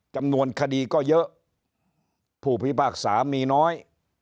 จำนวนคดีก็เยอะผู้พิพากษามีน้อย